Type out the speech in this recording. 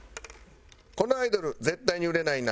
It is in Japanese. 「このアイドル絶対に売れないな